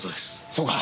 そうか。